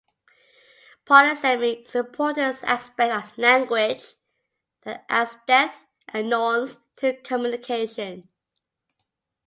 Polysemy is an important aspect of language that adds depth and nuance to communication.